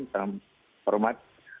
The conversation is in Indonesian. salam pak rahmat